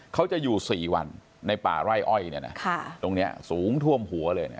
เขาจะอยู่๔วันในป่าร่ายอ้อยตรงนี้สูงท่วมหัวเลย